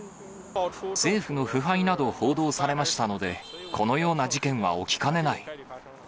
政府の腐敗など報道されましたので、このような事件は起きかねない。